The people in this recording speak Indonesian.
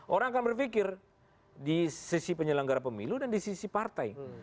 orang akan berpikir di sisi penyelenggara pemilu dan di sisi partai